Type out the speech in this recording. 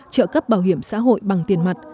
trợ cấp bảo hiểm xã hội bằng tiền mặt